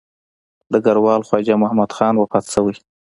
ډګروال خواجه محمد خان وفات شوی.